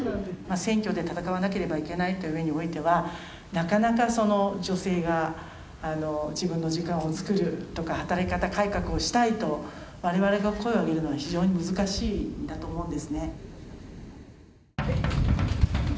選挙で戦わなければいけないという上においてはなかなか女性が自分の時間をつくるとか働き方改革をしたいと我々が声を上げるのは非常に難しいんだと思うんですね。